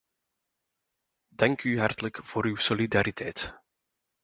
Dank u hartelijk voor uw solidariteit.